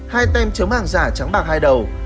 hai tem chống hàng giả trắng bạc hai đầu